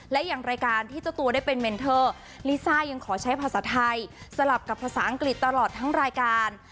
และอย่างรายการที่ตัวได้เป็นเมนเทอร์